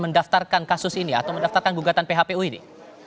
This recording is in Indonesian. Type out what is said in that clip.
mendaftarkan kasus ini atau mendaftarkan gugatan phpu ini